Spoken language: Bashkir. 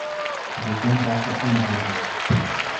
Йылдың башы уң булһын!